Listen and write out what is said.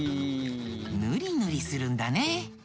ぬりぬりするんだね。